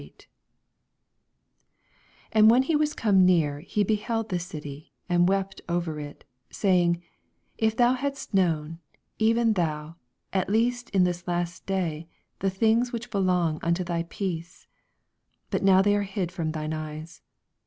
41 And when he was come near, he beheld the dty, and wept over it, 42 Saying, If thou hadst known, even thon, at least in this thy day, the things which belong nnto thy peace I bat now they are hid jfrom thine eyes.